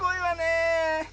え